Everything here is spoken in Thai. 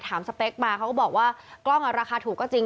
สเปคมาเขาก็บอกว่ากล้องราคาถูกก็จริง